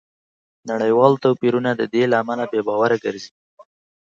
نړیوال توپیرونه د دې له امله بې باوره ګرځي